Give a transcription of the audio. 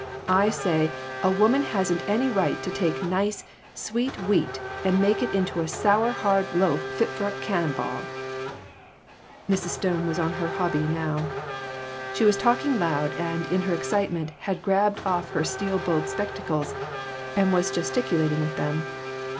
I say a woman hasn't any right to take nice, sweet wheat and make it into a sour, hard loaf fit for a cannon ball." Mrs. Stone was on her hobby now. She was talking loud, and, in her excitement, had grabbed off her steel bowed spectacles and was gesticulat ing with them.